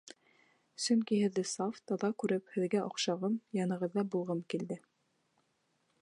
Сөнки һеҙҙе саф, таҙа күреп, һеҙгә оҡшағым, янығыҙҙа булғым килде.